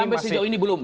sampai sejauh ini belum